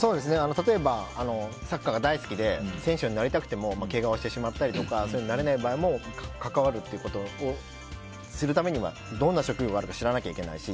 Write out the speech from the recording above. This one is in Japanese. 例えば、サッカーが大好きで選手になりたくてもけがをしてしまったりそういうのになれない場合も関わるってことをするためにはどんな職業があるかを知らなきゃいけないし。